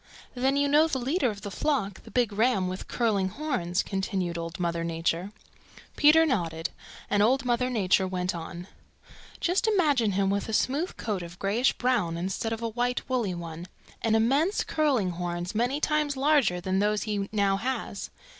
"Then you know the leader of the flock, the big ram with curling horns," continued Old Mother Nature. Peter nodded, and Old Mother Nature went on. "Just imagine him with a smooth coat of grayish brown instead of a white woolly one, and immense curling horns many times larger than those he now has.